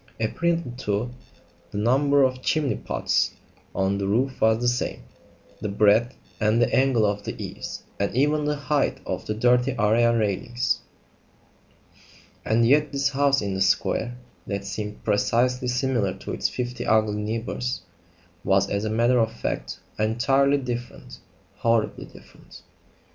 Apparently, too, the number of chimney pots on the roof was the same; the breadth and angle of the eaves; and even the height of the dirty area railings. And yet this house in the square, that seemed precisely similar to its fifty ugly neighbours, was as a matter of fact entirely different horribly different.